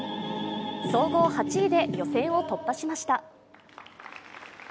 総合８位で予選を突破しました。